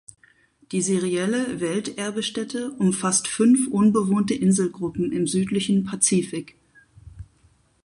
Die serielle Welterbestätte umfasst fünf unbewohnte Inselgruppen im südlichen Pazifik.